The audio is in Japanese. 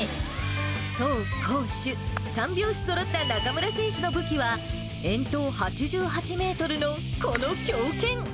走攻守、三拍子そろった中村選手の武器は、遠投８８メートルのこの強肩。